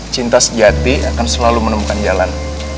cinta sejati akan selalu menemukan jalan